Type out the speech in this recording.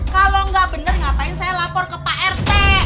kalau nggak bener ngapain saya lapor ke pak rt